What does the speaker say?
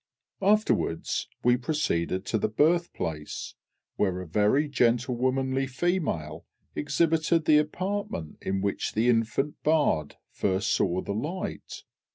"] Afterwards we proceeded to the Birthplace, where a very gentlewomanly female exhibited the apartment in which the Infant Bard first saw the light.